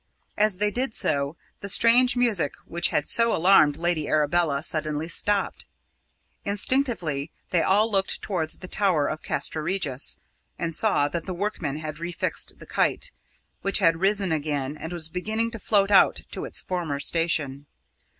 As they did so, the strange music which had so alarmed Lady Arabella suddenly stopped. Instinctively they all looked towards the tower of Castra Regis, and saw that the workmen had refixed the kite, which had risen again and was beginning to float out to its former station.